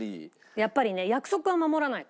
やっぱりね約束は守らないと。